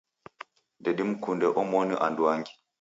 Ndedimkunde omoni anduangi.